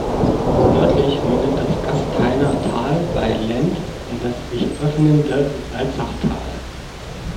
Nördlich mündet das Gasteiner Tal bei Lend in das sich öffnende Salzachtal.